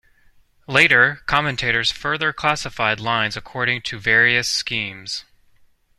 Later commentators further classified lines according to various schemes.